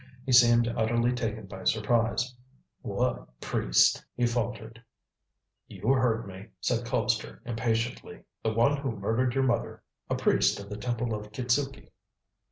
He seemed utterly taken by surprise. "What priest?" he faltered. "You heard me," said Colpster impatiently. "The one who murdered your mother a priest of the Temple of Kitzuki."